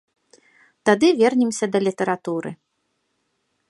Тады вернемся да літаратуры.